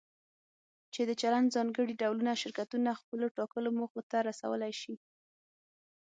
چې د چلند ځانګړي ډولونه شرکتونه خپلو ټاکلو موخو ته رسولی شي.